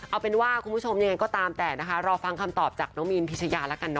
เอาเป็นว่าคุณผู้ชมยังไงก็ตามแต่นะคะรอฟังคำตอบจากน้องมีนพิชยาแล้วกันนะ